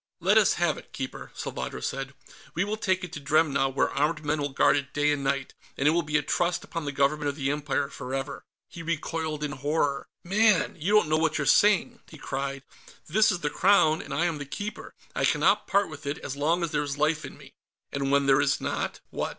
"Let us have it, Keeper," Salvadro said. "We will take it to Dremna, where armed men will guard it day and night, and it will be a trust upon the Government of the Empire forever." He recoiled in horror. "Man! You don't know what you're saying!" he cried. "This is the Crown, and I am the Keeper; I cannot part with it as long as there is life in me." "And when there is not, what?